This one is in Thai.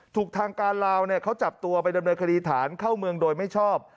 ถูกทางการลาวเขาจับตัวไปดำเนินคดีฐานเข้าเมืองโดยไม่ชอบ